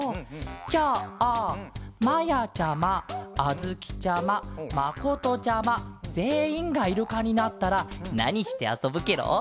じゃあまやちゃまあづきちゃままことちゃまぜんいんがイルカになったらなにしてあそぶケロ？